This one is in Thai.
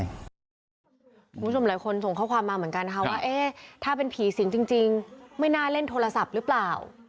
คุณผู้ชมหลายคนส่งข้อความมาเหมือนกันนะคะว่าเอ๊ะถ้าเป็นผีสิงจริงไม่น่าเล่นโทรศัพท์หรือเปล่า